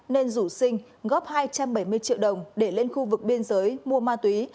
nên rủ sinh góp hai trăm bảy mươi triệu đồng để lên khu vực biên giới mua ma túy